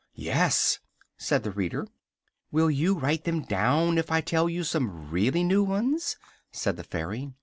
"Yes," said the reader. "Will you write them down if I tell you some really new ones?" said the Fairy.